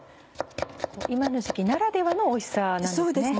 今の時期ならではのおいしさなんですね。